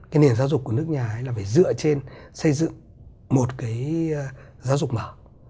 cái nền giáo dục của nước nhà ấy là phải dựa trên xây dựng một cái giáo dục mở